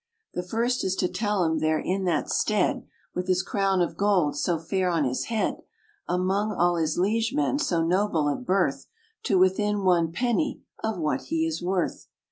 ;< The first is to tell him there in that stead, With his crown of gold so fair on his head, Among all his liege men so noble of birth, To within one penny of what he is worth.